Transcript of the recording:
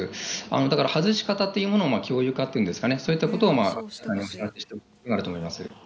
だから外し方というものの共有化っていうんですかね、そういったことを知らせていく必要があると思います。